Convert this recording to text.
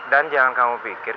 dan jangan kamu pikir